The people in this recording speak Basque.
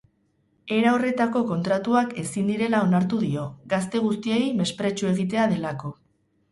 Era horretako kontratuak ezin direla onartu dio, gazte guztiei mespretxu egitea delako.